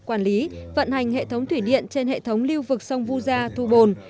quản lý vận hành hệ thống thủy điện trên hệ thống lưu vực sông vu gia thu bồn